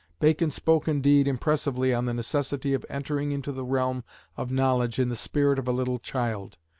Bacon spoke, indeed, impressively on the necessity of entering into the realm of knowledge in the spirit of a little child.